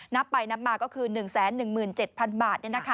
นับไปนับมาก็คือ๑๑๗๐๐บาท